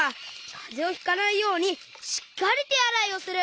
かぜをひかないようにしっかりてあらいをする！